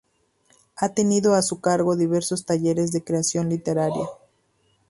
Ha tenido a su cargo diversos talleres de creación literaria.